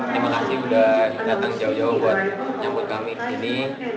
terima kasih sudah datang jauh jauh buat nyambut kami di sini